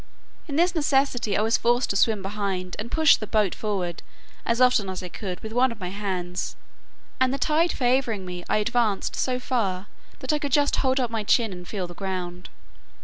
In this necessity I was forced to swim behind, and push the boat forward, as often as I could, with one of my hands; and the tide favouring me, I advanced so far that I could just hold up my chin and feel the ground.